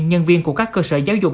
nhân viên của các cơ sở giáo dục